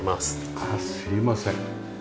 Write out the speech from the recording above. すいません。